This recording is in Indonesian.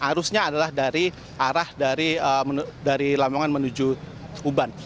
arusnya adalah dari arah dari lamongan menuju uban